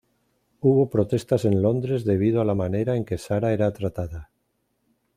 Hubo protestas en Londres debido a la manera en que Sara era tratada.